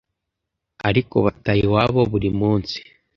ariko bataha iwabo buri munsi,